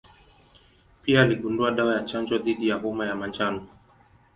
Pia aligundua dawa ya chanjo dhidi ya homa ya manjano.